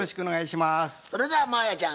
それでは真彩ちゃん